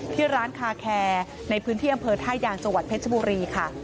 ที่ร้านคาแคร์ในพื้นที่อำเภอท่ายางจังหวัดเพชรบุรีค่ะ